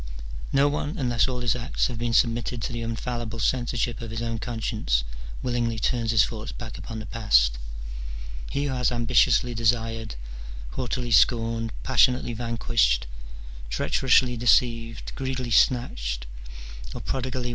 No one, unless all his acts have been submitted to the infallible censorship of his own conscience, willingly turns his thoughts back upon the past. He who has ambi tiously desired, haughtily scorned, passionately vanquished, treacherously deceived, greedily snatched, or prodigally CH. XI.] OF THE SHORTNESS OF LIFE.